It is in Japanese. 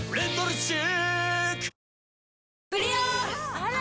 あら！